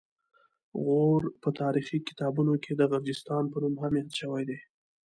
غور په تاریخي کتابونو کې د غرجستان په نوم هم یاد شوی دی